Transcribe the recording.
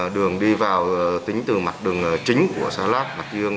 đường đi vào tính từ mặt đường chính của xã lát bạc dương